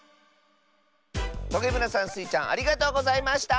トゲむらさんスイちゃんありがとうございました。